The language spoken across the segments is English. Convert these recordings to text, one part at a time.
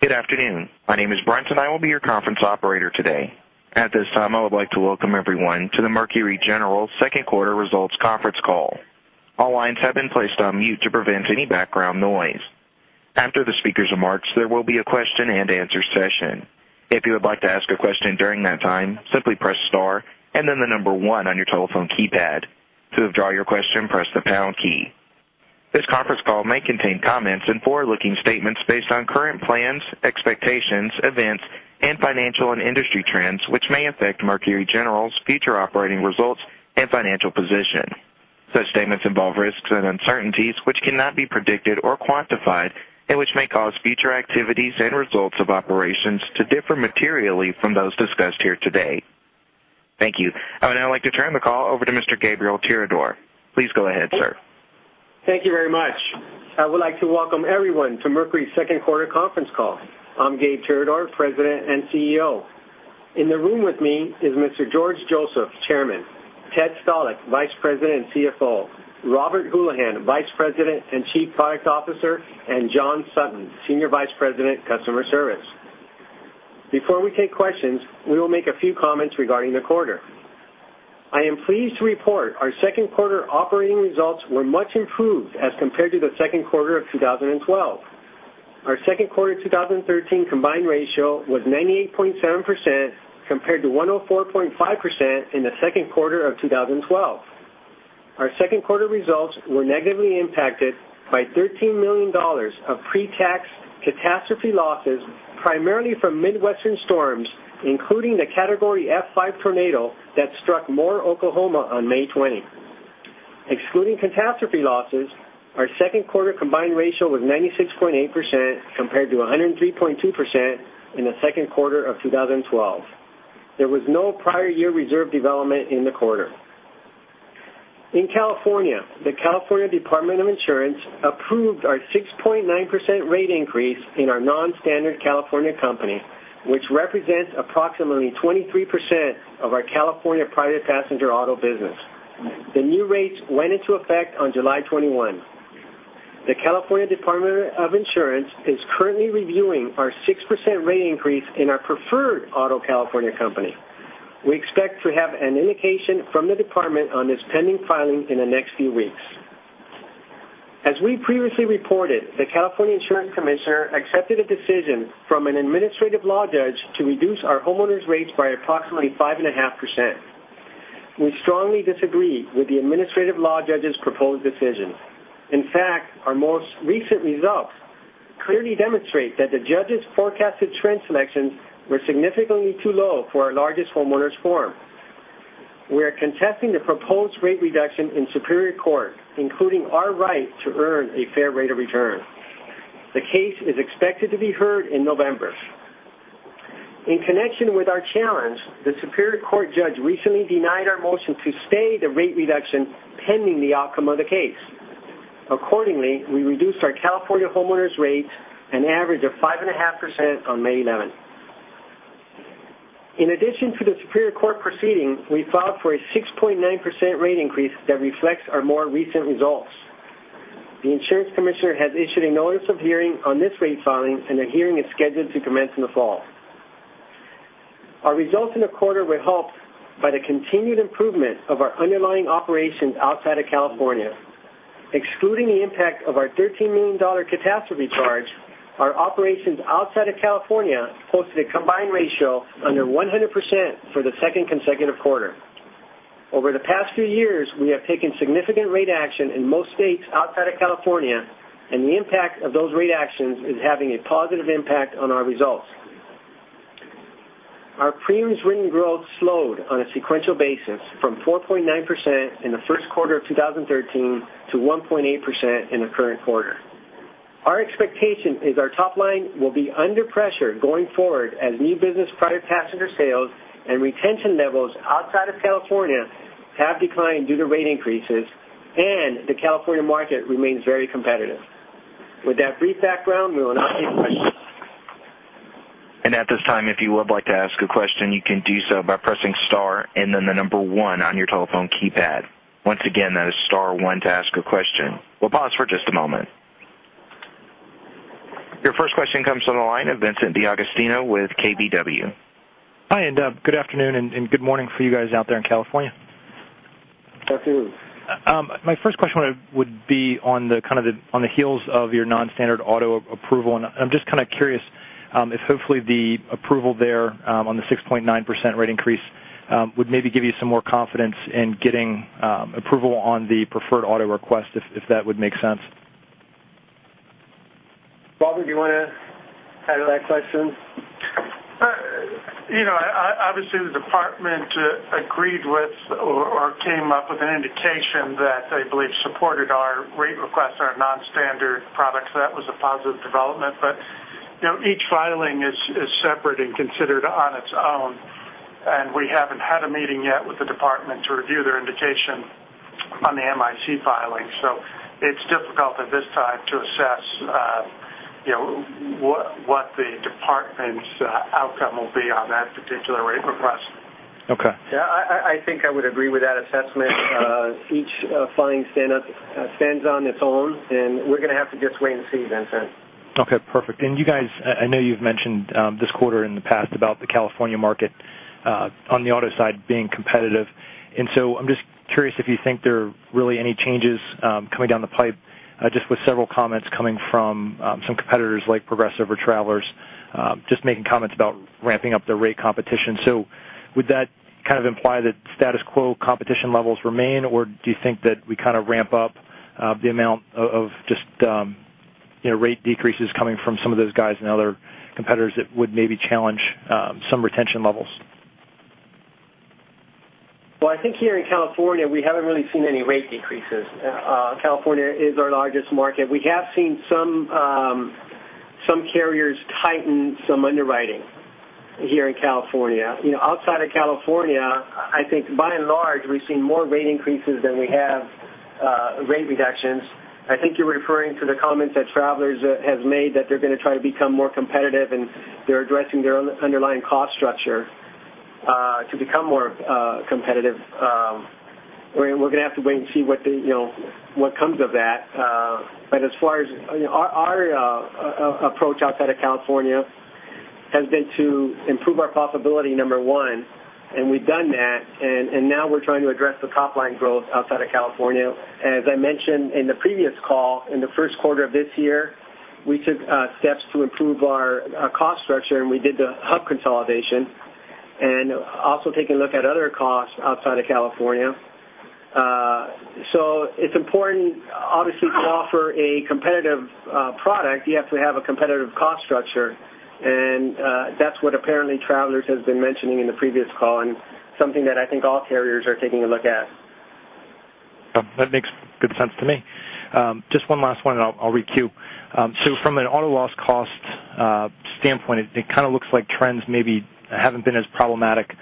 Good afternoon. My name is Brent, and I will be your conference operator today. At this time, I would like to welcome everyone to the Mercury General Second Quarter Results Conference Call. All lines have been placed on mute to prevent any background noise. After the speaker's remarks, there will be a question-and-answer session. If you would like to ask a question during that time, simply press star and the number one on your telephone keypad. To withdraw your question, press the pound key. This conference call may contain comments and forward-looking statements based on current plans, expectations, events, and financial and industry trends, which may affect Mercury General's future operating results and financial position. Such statements involve risks and uncertainties which cannot be predicted or quantified and which may cause future activities and results of operations to differ materially from those discussed here today. Thank you. I would now like to turn the call over to Mr. Gabriel Tirador. Please go ahead, sir. Thank you very much. I would like to welcome everyone to Mercury's second quarter conference call. I'm Gabe Tirador, President and CEO. In the room with me is Mr. George Joseph, Chairman, Ted Stalick, Vice President and CFO, Robert Houlihan, Vice President and Chief Product Officer, and John Sutton, Senior Vice President, Customer Service. Before we take questions, we will make a few comments regarding the quarter. I am pleased to report our second quarter operating results were much improved as compared to the second quarter of 2012. Our second quarter 2013 combined ratio was 98.7% compared to 104.5% in the second quarter of 2012. Our second quarter results were negatively impacted by $13 million of pre-tax catastrophe losses, primarily from Midwestern storms, including the Category F5 tornado that struck Moore, Oklahoma, on May 20. Excluding catastrophe losses, our second quarter combined ratio was 96.8% compared to 103.2% in the second quarter of 2012. There was no prior year reserve development in the quarter. In California, the California Department of Insurance approved our 6.9% rate increase in our non-standard California company, which represents approximately 23% of our California private passenger auto business. The new rates went into effect on July 21. The California Department of Insurance is currently reviewing our 6% rate increase in our preferred auto California company. We expect to have an indication from the department on this pending filing in the next few weeks. As we previously reported, the California Insurance Commissioner accepted a decision from an administrative law judge to reduce our homeowners' rates by approximately 5.5%. We strongly disagree with the administrative law judge's proposed decision. In fact, our most recent results clearly demonstrate that the judge's forecasted trend selections were significantly too low for our largest homeowners' form. We are contesting the proposed rate reduction in Superior Court, including our right to earn a fair rate of return. The case is expected to be heard in November. In connection with our challenge, the Superior Court judge recently denied our motion to stay the rate reduction pending the outcome of the case. Accordingly, we reduced our California homeowners' rates an average of 5.5% on May 11th. In addition to the Superior Court proceeding, we filed for a 6.9% rate increase that reflects our more recent results. The Insurance Commissioner has issued a notice of hearing on this rate filing, and a hearing is scheduled to commence in the fall. Our results in the quarter were helped by the continued improvement of our underlying operations outside of California. Excluding the impact of our $13 million catastrophe charge, our operations outside of California posted a combined ratio under 100% for the second consecutive quarter. Over the past few years, we have taken significant rate action in most states outside of California, and the impact of those rate actions is having a positive impact on our results. Our premiums written growth slowed on a sequential basis from 4.9% in the first quarter of 2013 to 1.8% in the current quarter. Our expectation is our top line will be under pressure going forward as new business private passenger sales and retention levels outside of California have declined due to rate increases and the California market remains very competitive. With that brief background, we will now take questions. At this time, if you would like to ask a question, you can do so by pressing star and then the number 1 on your telephone keypad. Once again, that is star 1 to ask a question. We'll pause for just a moment. Your first question comes from the line of Vincent DeAugustino with KBW. Hi, good afternoon and good morning for you guys out there in California. Afternoon. My first question would be on the heels of your non-standard auto approval, I'm just kind of curious if hopefully the approval there on the 6.9% rate increase would maybe give you some more confidence in getting approval on the preferred auto request, if that would make sense. Robert, do you want to handle that question? Obviously, the department agreed with or came up with an indication that they believe supported our rate request, our non-standard product, so that was a positive development. Each filing is separate and considered on its own, and we haven't had a meeting yet with the department to review their indication on the MIC filing. It's difficult at this time to assess what the department's outcome will be on that particular rate request. Okay. Yeah, I think I would agree with that assessment. Each filing stands on its own, and we're going to have to just wait and see, Vincent. You guys, I know you've mentioned this quarter in the past about the California market on the auto side being competitive. I'm just curious if you think there are really any changes coming down the pipe, just with several comments coming from some competitors like Progressive or Travelers just making comments about ramping up their rate competition. Would that kind of imply that status quo competition levels remain, or do you think that we kind of ramp up the amount of just rate decreases coming from some of those guys and other competitors that would maybe challenge some retention levels? Well, I think here in California, we haven't really seen any rate decreases. California is our largest market. We have seen some carriers tighten some underwriting here in California. Outside of California, I think by and large, we've seen more rate increases than we have rate reductions. I think you're referring to the comments that Travelers has made that they're going to try to become more competitive, and they're addressing their underlying cost structure to become more competitive. We're going to have to wait and see what comes of that. As far as our approach outside of California has been to improve our profitability, number one, and we've done that, and now we're trying to address the top-line growth outside of California. As I mentioned in the previous call, in the first quarter of this year, we took steps to improve our cost structure, and we did the hub consolidation and also taking a look at other costs outside of California. It's important, obviously, to offer a competitive product. You have to have a competitive cost structure. That's what apparently Travelers has been mentioning in the previous call and something that I think all carriers are taking a look at. That makes good sense to me. Just one last one, I'll re-queue. From an auto loss cost standpoint, it kind of looks like trends maybe haven't been as problematic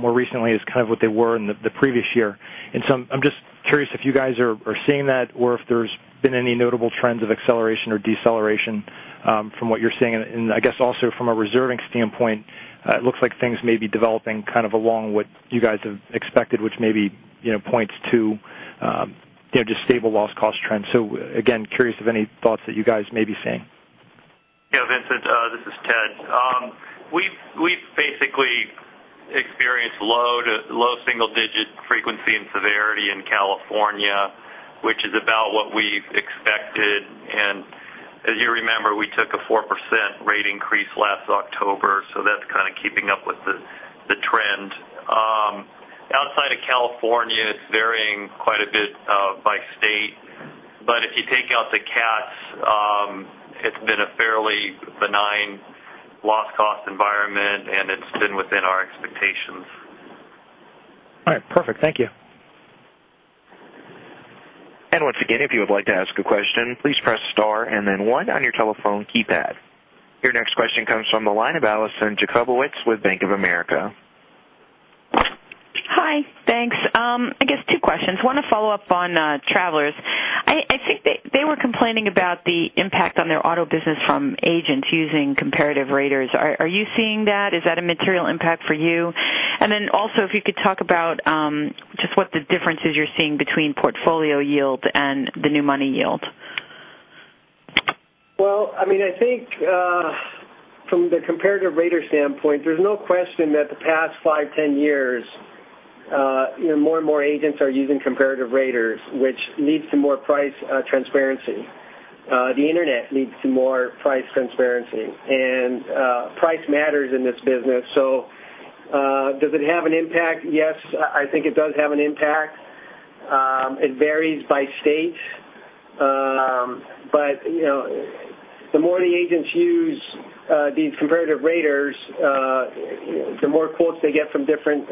more recently as kind of what they were in the previous year. I'm just curious if you guys are seeing that or if there's been any notable trends of acceleration or deceleration from what you're seeing. I guess also from a reserving standpoint, it looks like things may be developing kind of along what you guys have expected, which maybe points to just stable loss cost trends. Again, curious of any thoughts that you guys may be seeing. Yeah, Vincent, this is Ted. We've basically experienced low single-digit frequency and severity in California, which is about what we've expected. As you remember, we took a 4% rate increase last October, that's kind of keeping up with the trend. Outside of California, it's varying quite a bit by state. If you take out the CATs, it's been a fairly benign loss cost environment, it's been within our expectations. All right. Perfect. Thank you. Once again, if you would like to ask a question, please press star and then one on your telephone keypad. Your next question comes from the line of Alison Jacobowitz with Bank of America. Hi. Thanks. I guess two questions. One to follow up on Travelers. I think they were complaining about the impact on their auto business from agents using comparative raters. Are you seeing that? Is that a material impact for you? Also, if you could talk about just what the differences you're seeing between portfolio yield and the new money yield. I think from the comparative rater standpoint, there's no question that the past five, 10 years more and more agents are using comparative raters, which leads to more price transparency. The internet leads to more price transparency. Price matters in this business. Does it have an impact? Yes, I think it does have an impact. It varies by state. The more the agents use these comparative raters, the more quotes they get from different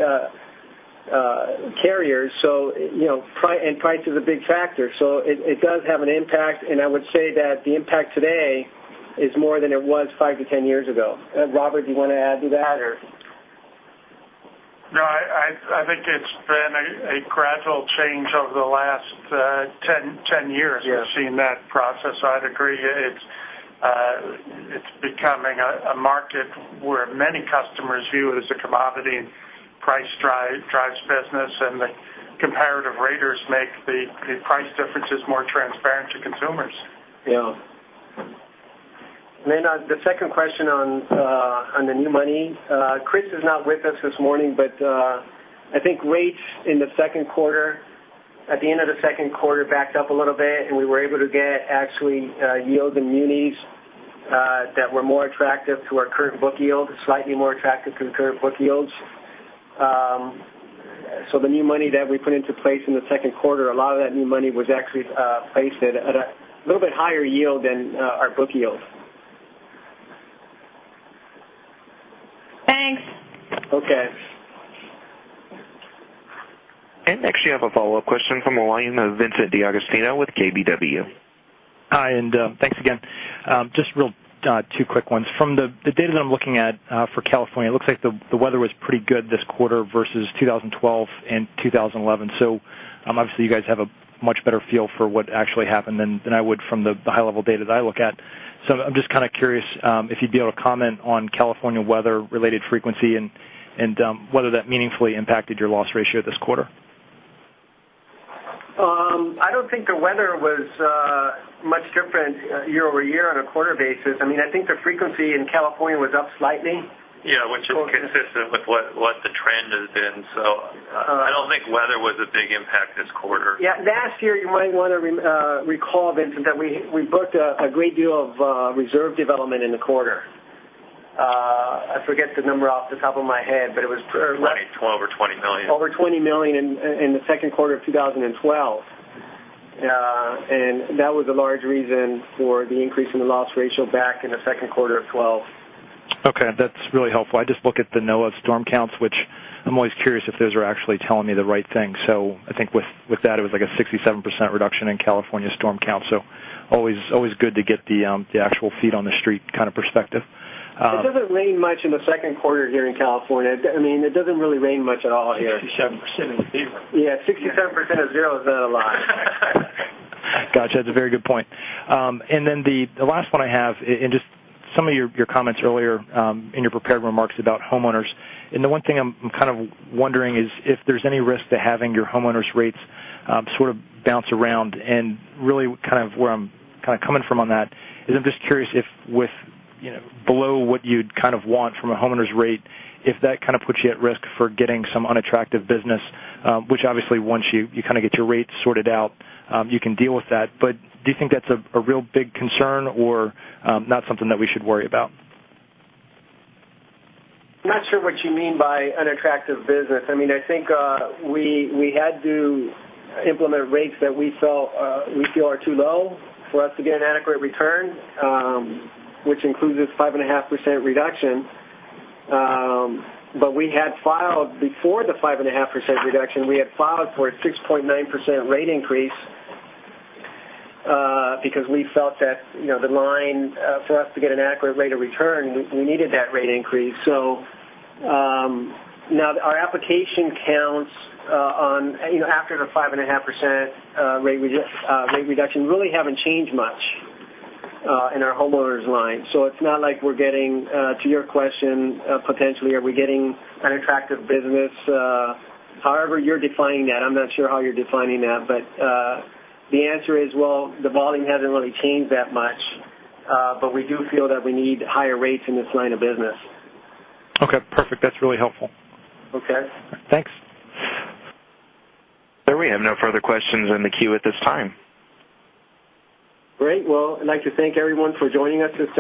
carriers. Price is a big factor, so it does have an impact. I would say that the impact today is more than it was five to 10 years ago. Robert, do you want to add to that or? No, I think it's been a gradual change over the last 10 years. Yes. We've seen that process. I'd agree. It's becoming a market where many customers view it as a commodity and price drives business, and the comparative raters make the price differences more transparent to consumers. Yeah. The second question on the new money. Chris is not with us this morning, but I think rates in the second quarter, at the end of the second quarter backed up a little bit, and we were able to get actually yields and munis that were more attractive to our current book yield, slightly more attractive to the current book yields. The new money that we put into place in the second quarter, a lot of that new money was actually placed at a little bit higher yield than our book yields. Thanks. Okay. Next you have a follow-up question from the line of Vincent DeAugustino with KBW. Hi, thanks again. Just two quick ones. From the data that I'm looking at for California, it looks like the weather was pretty good this quarter versus 2012 and 2011. Obviously you guys have a much better feel for what actually happened than I would from the high-level data that I look at. I'm just kind of curious if you'd be able to comment on California weather-related frequency and whether that meaningfully impacted your loss ratio this quarter. I don't think the weather was much different year-over-year on a quarter basis. I think the frequency in California was up slightly. Yeah. Which is consistent with what the trend has been. I don't think weather was a big impact this quarter. Yeah. Last year, you might want to recall, Vincent, that we booked a great deal of reserve development in the quarter. I forget the number off the top of my head, but it was- Over $20 million. Over $20 million in the second quarter of 2012. That was a large reason for the increase in the loss ratio back in the second quarter of 2012. Okay. That's really helpful. I just look at the NOAA storm counts, which I'm always curious if those are actually telling me the right thing. I think with that, it was like a 67% reduction in California storm count, so always good to get the actual feet on the street kind of perspective. It doesn't rain much in the second quarter here in California. It doesn't really rain much at all here. 67% of zero. Yeah, 67% of zero is not a lot. Got you. That's a very good point. The last one I have, and just some of your comments earlier in your prepared remarks about homeowners. The one thing I'm kind of wondering is if there's any risk to having your homeowners rates sort of bounce around and really kind of where I'm kind of coming from on that is I'm just curious if with below what you'd kind of want from a homeowner's rate, if that kind of puts you at risk for getting some unattractive business, which obviously once you kind of get your rates sorted out, you can deal with that. Do you think that's a real big concern or not something that we should worry about? Not sure what you mean by unattractive business. I think we had to implement rates that we feel are too low for us to get an adequate return, which includes this 5.5% reduction. Before the 5.5% reduction, we had filed for a 6.9% rate increase because we felt that the line for us to get an accurate rate of return, we needed that rate increase. Now our application counts after the 5.5% rate reduction really haven't changed much in our homeowners line. It's not like we're getting to your question, potentially, are we getting unattractive business? However, you're defining that. I'm not sure how you're defining that, but the answer is, well, the volume hasn't really changed that much. We do feel that we need higher rates in this line of business. Okay, perfect. That's really helpful. Okay. Thanks. Sir, we have no further questions in the queue at this time. Great. Well, I'd like to thank everyone for joining us.